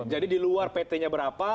jadi di luar pt nya berapa